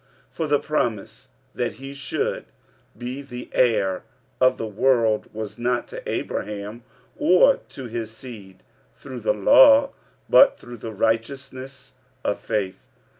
45:004:013 For the promise, that he should be the heir of the world, was not to Abraham, or to his seed, through the law, but through the righteousness of faith.